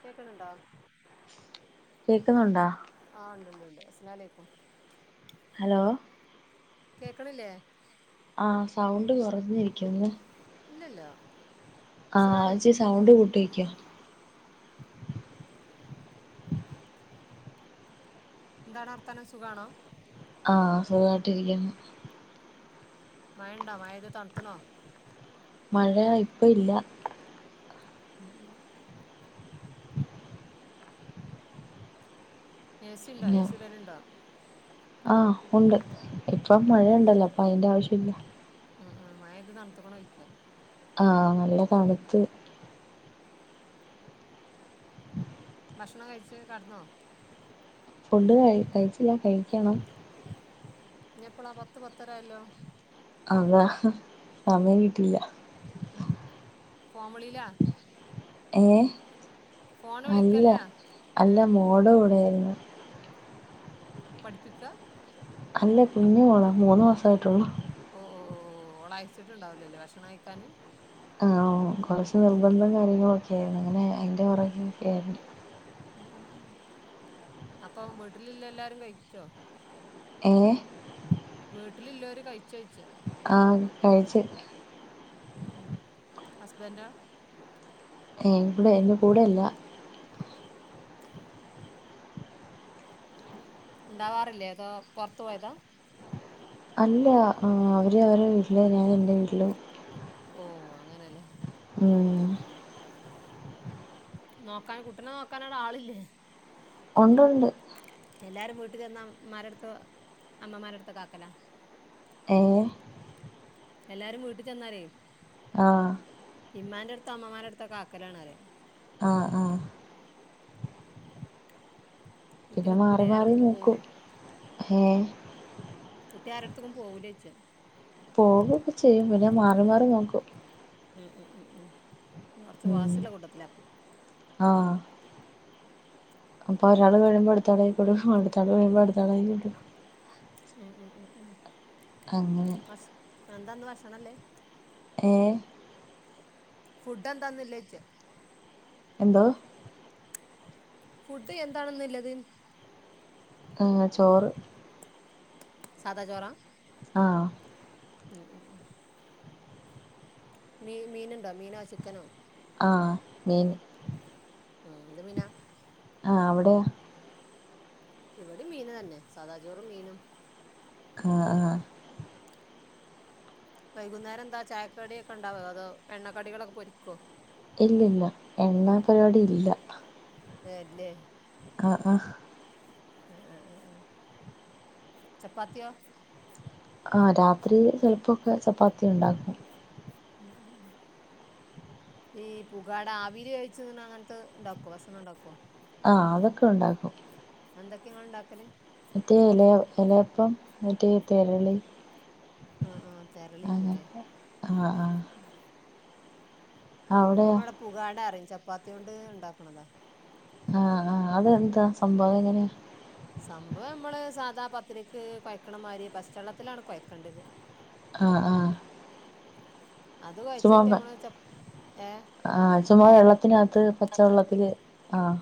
കേക്ക്ണ് ണ്ടൊ? കേക്ക്ന്നുണ്ടാ? ആഹ് ഉണ്ട് ഉണ്ട് ണ്ട്. അസ്സലാമു അലൈക്കും. ഹലോ കേക്ക്ണില്ലെ? ആഹ് സൗണ്ട് കൊറഞ്ഞിരിക്ക്ന്ന്. ഇല്ലല്ലാ ആഹ് ഇച്ചിരി സൗണ്ട് കൂട്ടി വെയ്ക്ക്. എന്താണ് വർത്താനം സുഖാണൊ? ആഹ് സുഖമായിട്ടിരിക്കുന്നു. മഴ ണ്ടൊ. മഴെയ്ത് തൺത്ത്ണൊ? മഴ ഇപ്പൊ ഇല്ല. ഉം ഏ സി ണ്ടൊ. ഏ ഇങ്ങനെ സി ഇടല് ണ്ടൊ? ആഹ് ഉണ്ട്. ഇപ്പൊ മഴയുണ്ടല്ലൊ അപ്പം അയിന്റെ ആവശ്യം ഇല്ല. അഹ് ആഹ്. മഴെയ്ത് തൺത്ത്ക്ക്ണൊ ചോയ്ക്കാ? ആഹ് നല്ല തണ്ത്ത് ഭക്ഷണം കഴിച്ച് കട്ന്നൊ? ഫുഡ് കഴി കഴിച്ചില്ല കഴിക്കണം. ഇഞ്ഞ് എപ്പളാ പത്ത് പത്തരായ ല്ലൊ? അതാ. സമയം കിട്ടില്യ. ഫോൺവിളീലാ. ഏഹ് ഫോൺ അല്ല. വിളിക്കല്ല ഏ അല്ല മോൾടെ കൂടെയായിര്ന്ന്. പഠിപ്പിക്കാ? അല്ല കുഞ്ഞി മോളാ. മൂന്ന് മാസായിട്ടൊള്ളു. ഓഹ് ഓഹ് ഓഹ് ഓഹ് ഓളയച്ചിട്ട്ണ്ടാവില്ലല്ലോ ഭക്ഷണം കയ്ക്കാന്. ഉം. കൊർച്ച് നിർബന്ധം കാര്യങ്ങളൊക്കേണ്. ങ്ങനെ അയ്ന്റെ പൊറകെ ഒക്കെര്ന്ന്. ഉം ഉം ഉം. അപ്പം വീട്ട്ല്ള്ള എല്ലാരും കഴിച്ചൊ? ഏഹ്? വീട്ടില്ള്ളോര് കഴിച്ചോയ്ച്ചാ? ആഹ്. കഴിച്ച്. ഉം. ഹസ്ബന്റൊ? ഏ ബടെ എൻ്റെ കൂടെയല്ല ണ്ടാവാറില്ലേ അതോ പൊർത്ത് പോയത അല്ല അവര് അവരെ വീട്ടിൽ ഞാൻ എൻ്റെ വീട്ടിൽ ഓ അങ്ങനെലേ ഉം നോക്കാൻ കുട്ട്ടിനെ നോക്കാനടെ ആളില്ലേ ഉണ്ടുണ്ട് എല്ലാരും വീട്ടിൽചെന്നാൽ മ്മാരെട്തു അമ്മമാരെട്ത്തൊക്കാക്കലാ ഏഹ് എല്ലാരും വീട്ടി ചെന്നാലെ ആഹ് ഇമ്മാന്റെട്ത്തൊ അമ്മമാരെട് ത്തൊക്കാക്കലാണറിയാ ആഹ് ആഹ് കുട്ടി പിന്നെ നിക്കൂലേ മാറി മാറി ആരെട്ത്ത്ക്കും നോക്കും പോവൂലേ? ഏഹ് കുട്ടി ആരട്ത്ത്ക്കും പോവൂലെയ്ച പോകൊക്കെ ചെയ്യും പിന്നെ മാറി മാറി നോക്കും ഉം ഉം ഉം ഉം കൊർച്ച് ഉം വാസിള്ള കൂട്ടത്തില പ്പം ആഹ് അപ്പൊരാൾ വരുമ്പോ അടുത്താളയിപ്പെടും അടുത്താൾ വരുമ്പോ അടുത്ത ആളയിപ്പെടും ഉം ഉം ഉം അങ്ങനെ അസ് എന്താന്ന് ഭക്ഷണം ള്ളെ ഏഹ് ഫുടെന്താ ന്ന് ള്ളെ ചോയ്ച്ച എന്തോ ഫുഡ് എന്താണെന്നുള്ളത് ആഹ് ചോറ് സാധാ ചോറാ ആഹ് ഉം ഉം മീ മീന്ണ്ടോ മീനോ ചിക്കനോ ആഹ് മീൻ എന്ത് മീനാ അവിടെയോ ഇവടിം മീൻ തന്നെ സാദാ ചോറും മീനും ആഹ് വൈകുന്നേരം ന്താ ചായക്ക് കടി ഒക്കെ ണ്ടാവോ അതോ എണ്ണക്കടികളൊക്കെ പൊരിക്കൊ ഇല്ലല്ല എണ്ണ പരിപാടി ഇല്ല ഏ ല്ലേ ആഹ് ആഹ് ആഹ് ചപ്പാത്തിയോ ആഹ് രാത്രി ചിലപ്പൊക്കെ ചപ്പാത്തി ഉണ്ടാക്കും ഉം ഉം ഈ പുകാട ആവില് വേവിച്ചു തിന്ന് ണങ്ങനത്തെ ഉണ്ടാക്കുവോ ഭക്ഷണം ഉണ്ടാക്കുവോ ആഹ് അതൊക്കെ ഉണ്ടാക്കും. എന്തൊക്കെയങ്ങള് ണ്ടാക്കല്? മറ്റേ ഇല എലയപ്പം മറ്റേ തെരളി ആഹ് ആഹ് തെരളിണ്ട്ല്ലേ അങ്ങനത്തെ ആഹ് ഉം ആഹ് ഉം അവിടെയോ ഞങ്ങടെ പുകാട അറിയും ചപ്പാത്തി കൊണ്ട് ഉണ്ടാക്കണതാ. ആഹ് ആഹ് അതെന്താ സംഭവം എങ്ങനെയാ? സംഭവം നമ്മള് സാദാ പത്തിരിക്ക് കൊയക്ക്ണ മാതിരി പശ്ചള്ളത്തിലാണ് കൊയക്കണ്ടത്. ആഹ് ആഹ് അത് ചുമ്മാ കൊയച്ചിട്ട് നമ്മള് ചപ്പ്‌ ഏഹ് ആഹ് ചുമാ വെള്ളത്തിനകത്ത് പച്ചവെള്ളത്തില് ആഹ്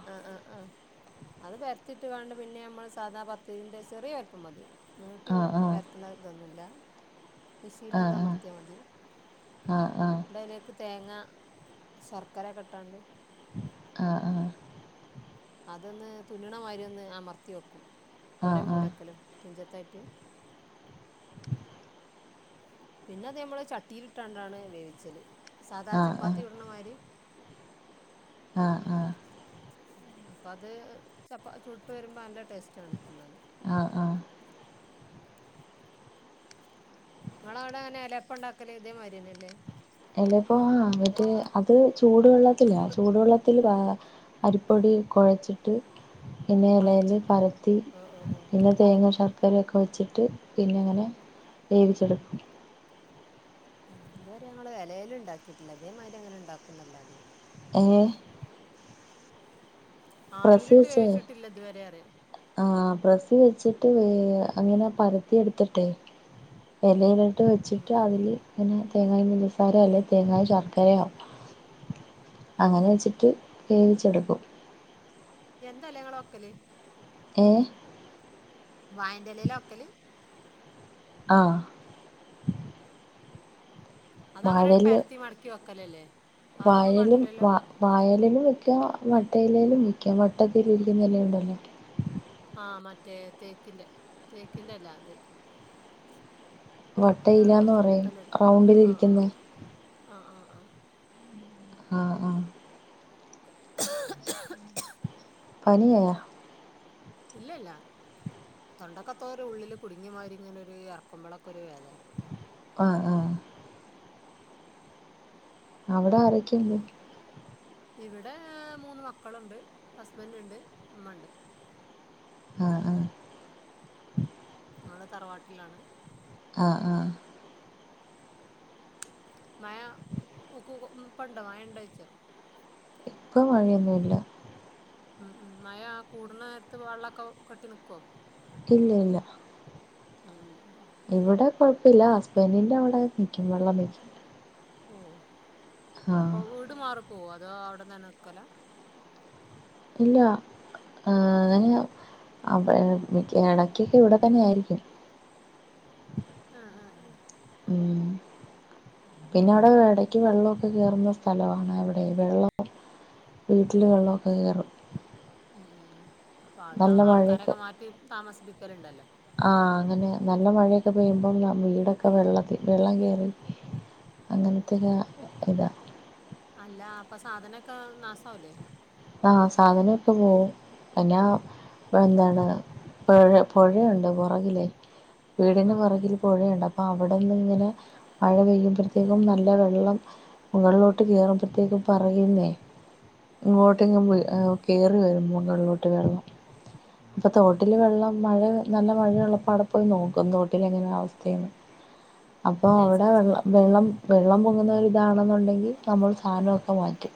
അത് പരത്തിട്ട് വേണ്ട പിന്നെ നമ്മള് സാദാ പത്തിരിന്റെ ചെറിയ വലിപ്പം മതി. നീട്ടി പ ആഹ് ആഹ് പരത്തണ തൊന്നുല്ല മിഷീൽ ഒന്ന് അമർത്തിയാ മതി. ആഹ് ആഹ് ണ്ടയിലേക്ക് തേങ്ങ ശർക്കരക്കെട്ടാണ്ട് ആഹ് ആഹ് അതൊന്ന് തുന്നണ മാതിരി ഒന്ന് അമർത്തി വെക്കും. ആഹ് ഓരോ ആഹ് മൂലക്കലും തുഞ്ചത്തായിട്ട്. പിന്നത് നമ്മള് ചട്ടിൽട്ടാണ്ടാണ് വേവിച്ചല്. സാദാ ആഹ് ആഹ് ചപ്പാത്തി ചുടണമാതിരി. ആഹ് ആഹ് അപ്പ അത് ചപ്പ ചുട്ട് വരുമ്പോ നല്ല ടേസ്റ്റാണ് തിന്നാന്. ആഹ് ആഹ് ആഹ് ങ്ങളവിടെ എങ്ങനെയാ എലയപ്പ ണ്ടാക്കല് തേമാതിരി തന്നെയല്ലേ? എലയപ്പവാ മറ്റേ അത് ചൂടുവെള്ളത്തിലാ. ചൂടു വെള്ളത്തില് താ അരിപ്പൊടി കൊഴച്ചിട്ട് പിന്നെലേല് പരത്തി ഓഹ് ഓഹ് ഓഹ് പിന്നെ തേങ്ങ ശർ കറിയൊക്കെ വെച്ചിട്ട് പിന്നെ അങ്ങനെ വേവിച്ചെടുക്കും. ഉം ഇത് വരെ ഞങ്ങള് എലേല് ണ്ടാക്കിയിട്ടില്ല. തേമാതിരി അങ്ങനെ ണ്ടാക്കും ന്നല്ലാതെ. ഏഹ് ആവിലിട്ട് വേവിച്ചിട്ടില്ല ഇതുവരെ അറിയാ ആഹ് പ്രസ് വെച്ചിട്ട് അങ്ങനെ പരത്തി എടുത്തിട്ടെ എലേല്ട്ട് ഉം വെച്ചിട്ട് അതില് പിന്നെ തേങ്ങായും പഞ്ചസാരൊ അല്ലേ തേങ്ങായും ശർക്കരയോ അങ്ങനെ വെച്ചിട്ട് വേവിച്ചെടുക്കും. എന്തെലയാ ങ്ങള് വൊക്കല്? ഏഹ് വായന്റെലെലാ വെക്കല്? ആഹ് അതങ്ങനെട് പരത്തി മടക്കി വെക്കലല്ലേ? വേറൊന്നും വായെലും കാട്ടൂലല്ലോ വാ വായെലെലും വയ്ക്കാ വട്ടയെലെലും വയ്ക്കാ വട്ടത്തി ലിരിക്കുന്നെലയുണ്ടല്ലോ ആഹ് മറ്റേ തേക്കിന്റെ തേക്കിന്റെയല്ല ത് ന്നേറോ വട്ടയിലാന്ന് കൊറച്ച് പറയും വലിപ്പം ല്ലേ ആഹ് ആഹ് റൗണ്ടിലിരിക്കുന്ന ആഹ് ആഹ് ആഹ് ആഹ് ആഹ് ആഹ് ക്കാ ക്കാ ക്ക് പനിയാ ഇല്ല ല്ല തൊണ്ടക്കത്തോരു ഉള്ളില് കുടുങ്ങിമാരിങ്ങനൊര് എറക്കുമ്പളൊക്ക ഒരു വേദന ആഹ് ആഹ് അവിടെ ആരെക്കെയുണ്ട് ഇവിടെ മൂന്ന് മക്കളുണ്ട് ഹസ്ബന്റ്ണ്ട് ഇമ്മണ്ട്. ആഹ് ആഹ് ങ്ങള് തറവാട്ടിലാണ്? ആഹ് ആഹ് മഴ ഊക്കൂകു പ്പണ്ട മഴണ്ടോയ്ച്ച? മഴയൊന്നൂല്ല. ഉം ഉം മഴ ആ കൂട്ണ നേര്ത്ത് വള്ളക്കെ കെട്ടി നിക്കോ? ഇല്ല ഇല്ല ഉം ഉം ഇവ്ടെ കൊഴ്പ്പല്ലാ ഹസ്ബന്റ്ന്റെ അവ്ടെ നിയ്ക്കും വെള്ളം നിയ്ക്കും. ഓഹ് ആ അപ്പോ വീട് മാറി പോവോ അതോ അവ്ടെന്നന്നേ നിക്കലാ? ഇല്ലാ ആ അങ്ങനെയാ അപ്പ എടയ്ക്കെക്കെ ഇവ്ടെ തന്നെ ആയിരിക്കും. ആഹ് ആഹ് ആഹ് ഉം പിന്നെ അവ്ടെ എടയ്ക്ക് വെള്ളമൊക്കെ കേറുന്ന സ്ഥലമാണ് അവിടെ വെള്ളം വീട്ട്ല് വെള്ള ഒക്കെ കേറും. ഉം ഉം അപ്പൊ ആൾ നല്ല മഴയൊക്കെ ആൾക്കാരൊക്കെ മാറ്റി താമസിപ്പിക്കല്ണ്ടല്ലോ? ആ അങ്ങനെയാ നല്ല മഴയൊക്കെ പെയ്യുമ്പം വീടൊക്കെ വെള്ളത്തി വെള്ളം കേറി അങ്ങനത്തെക്ക ഇത. അല്ല അപ്പൊ സാധനൊക്കെ നാസാവ് ലേ ആ സാധനൊക്കെ പോവും അയ്നാ എന്താണ് പൊഴ പൊഴയുണ്ട് പൊറകിലേയ് വീടിന്റെ ആഹ് പൊറകില് പുഴയുണ്ട് അപ്പ അവടെന്ന് ഇങ്ങനെ മഴ പെയ്യുമ്പഴത്തേക്കും നല്ല വെള്ളം മുകളിലോട്ട് കേറുമ്പത്തേക്കും പറയുന്നേ ഇങ്ങോട്ട് കേറും മുകൾലോട്ട് വെള്ളം ഇപ്പൊ തോട്ടില് വെള്ളം മഴ നല്ല മഴയുള്ളപ്പോ അവ്ടെ പോയി നോക്കും തോട്ടിൽ എങ്ങനെ അവസ്ഥയെന്ന്. [inaudible] അപ്പോ അവ്ടെ അതിനനുസരിച്ച് വെള്ളം വെള്ളം മാറിക്കാരല്ലേ വെള്ളം പൊങ്ങുന്നരിതാണെന്നുണ്ടെങ്കി നമ്മൾ സാനൊക്കെ മാറ്റും.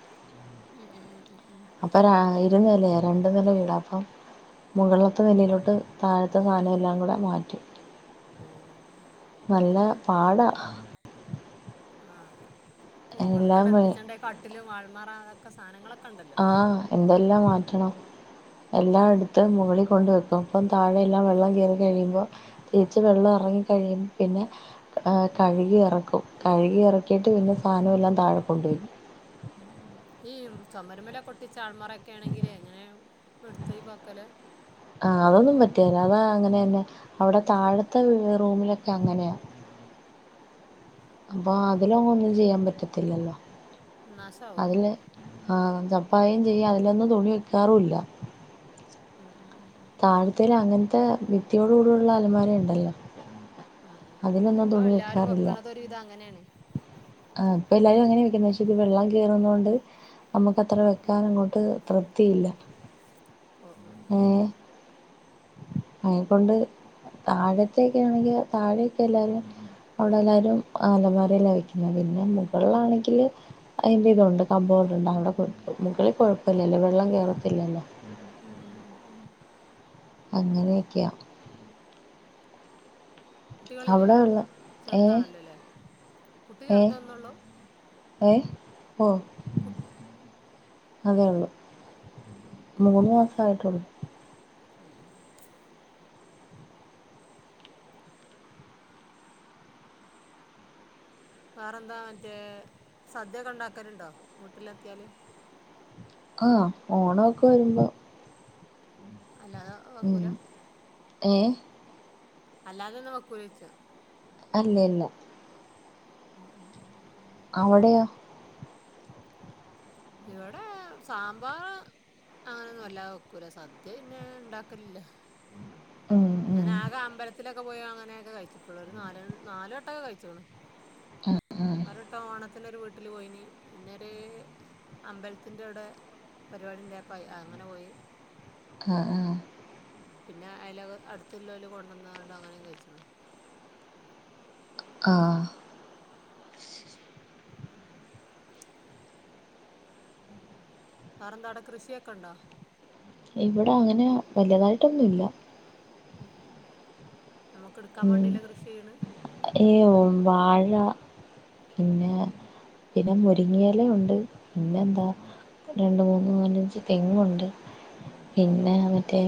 ഉം ഉം ഉം ഉം ഉം അപ്പൊ രാ ഇരുനിലേ രണ്ടു നില വീടാ അപ്പം മുകളത്തെ നിലയിലോട്ട് താഴത്തെ സാന എല്ലാം കൂടെ മാറ്റും. ഏഹ് നല്ല പാടാ ആ പ്പ എല്ലാം മുകൾക്കങ്ങട്ട് വേ എത്തിച്ചണ്ടേ കട്ടില് ആൾമാറ അതൊക്കെ സാനങ്ങളൊക്കെ ണ്ടല്ലോ ആ എന്തെല്ലാം മാറ്റണം എല്ലാം എടുത്ത് മുകളിൽ കൊണ്ട് വെക്കും. അപ്പം താഴെയെല്ലാം വെള്ളം കേറി കഴിയുമ്പോ തിരിച്ച് വെള്ളം എറങ്ങി കഴിയുമ്പ പിന്നെ ആ കഴുകി എറക്കും കഴുകി എറക്കിയിട്ട് പിന്നെ സാനവൊല്ലാം താഴെ കൊണ്ടേടും ഉം ഈ ചൊമര്മ്മലൊക്കൊട്ടിച്ച അൾമാറൊക്കേണെങ്കില് എങ്ങനേ ഇട്ത്തൊയ്‌വാക്കല്? ആ അതൊന്നും പറ്റ്കേല അതാ അങ്ങനെ തന്നെ അവ്ടെ താഴത്തെ റൂമിലൊക്കെ അങ്ങനെയാ അപ്പോ അതിലൊങ്ങും ഒന്നും ചെയ്യാൻ പറ്റത്തില്ലല്ലോ. ന്നാഷാവും അതില് ആ ചപ്പാവെയും ചെയ്യും അതിലൊന്നും തുണി വെയ്ക്കാറൂല്ല. ഉം ഉം ഉം ഉം താഴ്ത്തേൽ അങ്ങനത്തെ ഭിത്തിയോടു കൂടെയുള്ള അലമാരയണ്ടല്ലോ ഉം ഉം ഉം അപ്പൊ എല്ലാവരും വെക്കാറില്ല വെക്കണതൊരു വിധം അങ്ങനെയാണ് ഇപ്പം എല്ലാവരും അങ്ങനെ വെക്കുന്നത് പക്ഷെ ഇത് വെള്ളം കയറുന്നകൊണ്ട് നമുക്ക് അത്ര വെക്കാനങ്ങോട്ട് തൃപ്തിയില്ല ഓ ഉം ഉം ഏ അയി കൊണ്ട് താഴത്തൊക്കെ ആണെങ്കിൽ താഴൊക്കെ എല്ലാരും അവിടെ എല്ലാവാരും അലമാരേൽ വയ്ക്കും പിന്നെ പിന്നെ മുകളിലാണെങ്കിൽ അതിൻ്റെ ഇതുണ്ട് കമ്പോർഡുണ്ട് അവിടെ മുകളിൽ കുഴപ്പല്ലല്ലോ വെള്ളം കയറത്തില്ലല്ലോ ഉം ഉം ഉം ഉം അങ്ങനെയൊക്കെയാ കുട്ടികളില്ലേ അവിടെ ഉള്ള ഏ ചെറുതാണല്ലോ ല്ലേ കുട്ടി ചെറുതൊന്നൊള്ളൂ ഏഹ് ഓഹ് കുട്ട് അതേ ഉള്ളു മൂന്ന് മാസായിട്ടുള്ളു ഉം ഉം വേറെ എന്താ മറ്റേ സദ്യൊക്കെ ഉണ്ടാക്കല്ണ്ടോ വീട്ടിലെത്തിയാലും ആഹ് ഓണൊക്കെ വരുമ്പോ അല്ലാതെ ഉം വെക്കൂല ഏഹ് അല്ലാതൊന്നും വെക്കൂലോയ്ച്ച അല്ലല്ല ഉം ഉം ഉം ഉം അവിടെയോ ഇവിടെ സാമ്പാർ അങ്ങനെയൊന്നും വല്ലാത വെക്കൂല സദ്യ പിന്നെ ഉണ്ടാക്കലില്ല ഉം ഞാൻ ഉം ആകെ അമ്പലത്തിലൊക്കെ ക്കെ പോയി അങ്ങനൊക്കെ കഴിച്ചിട്ടൊള്ളൂ ഒര് നാലണ് നാല് വട്ടൊക്കെ കഴിച്ച്ക്ക്‌ണ് ആ നാല് വട്ടം ഓണ ത്തിന് ഒരു വീട്ടിൽ പോയിന് പിന്നൊര് അമ്പലത്തിന്റവിടെ പരിപാടി ഉണ്ടായപ്പോ അയ് അങ്ങനെ പോയി ആഹ് ആഹ് പിന്നെ അയാലോക അടുത്തുള്ളോൽ കൊണ്ടുവന്ന്ങ്കാണ്ട് അങ്ങനെയും കഴിച്ച്ണ് ആഹ് വേറെന്താടെ കൃഷിയൊക്കെ ഉണ്ടോ ഇവിടെ അങ്ങനെ വല്തായിട്ടൊന്നൂല്ല നമുക്ക് എടുക്കാൻ വേണ്ടിയില്ല കൃഷി ചെയ്യണ് ഏയ് ഓം വാഴ പിന്നെ പിന്നെ മുരിങ്ങയിലയുണ്ട് പിന്നെന്താ രണ്ട് മൂന്ന് നാലഞ്ച് തെങ്ങുണ്ട് പിന്നെ മറ്റേ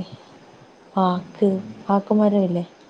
പാക്ക് പാക്ക്മരവില്ലേ